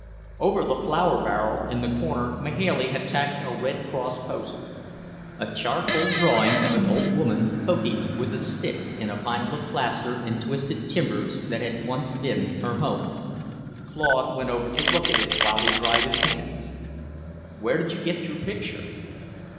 Over the flour barrel in the corner Mahailey had tacked a Red Cross poster; a charcoal drawing of an old woman poking with a stick in a pile of plaster and twisted timbers that had once been her home. Claude went over to look at it while he dried his hands. "Where did you get your picture?"